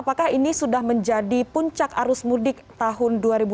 apakah ini sudah menjadi puncak arus mudik tahun dua ribu dua puluh dua di pelabuhan merah ara